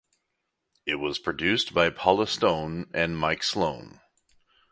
It was produced by Paula Stone and Mike Sloan.